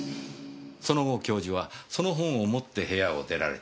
その後教授はその本を持って部屋を出られた。